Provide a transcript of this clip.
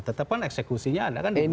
tetap kan eksekusinya ada kan di gubernur